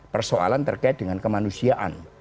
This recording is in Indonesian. persoalan terkait dengan kemanusiaan